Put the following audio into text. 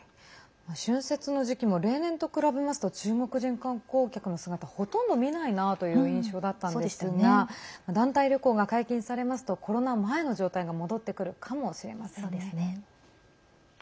春節の時期も例年と比べますと中国人観光客の姿ほとんど見ないなという印象だったんですが団体旅行が解禁されますとコロナ前の状態が戻ってくるかもしれませんね。